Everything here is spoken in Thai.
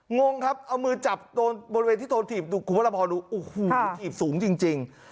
งงครับเอามือจับบนเวทที่โทนถีบคุณพระพรดูอูหูวิถีบสูงจริง